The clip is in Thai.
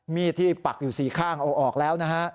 มีดที่ปักอยู่สี่ข้างเอาออกแล้วนะฮะ